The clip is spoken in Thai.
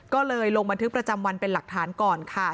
ก็เลยลงบันทึกประจำวันเป็นหลักฐานก่อนค่ะ